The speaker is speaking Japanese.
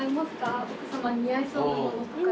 奥さまに似合いそうなものとか。